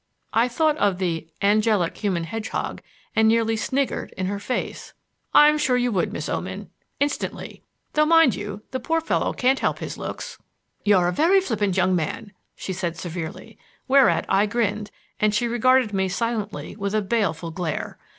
I thought of the "angelic human hedgehog," and nearly sniggered in her face. "I am sure you would, Miss Oman, instantly; though, mind you, the poor fellow can't help his looks." "You are a very flippant young man," she said severely. Whereat I grinned, and she regarded me silently with a baleful glare.